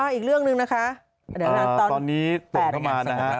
อ่าอีกเรื่องหนึ่งนะคะเดี๋ยวเมื่อก่อนตอนตรงประมาณนะฮะอ่าตอน๑๘นาที